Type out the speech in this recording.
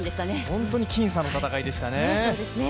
本当に僅差の戦いでしたね。